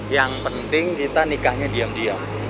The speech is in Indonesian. yang penting kita nikahnya diam diam